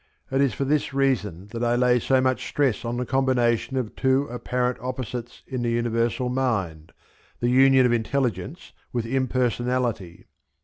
It is for this reason that I lay so much stress on the combination of two apparent opposites in the Universal Mind, the union of intelligence with impersonality.